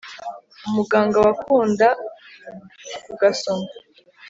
umuganga wakunda kugasoma